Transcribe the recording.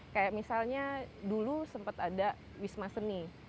kayak misalnya dulu sempat ada wisma seni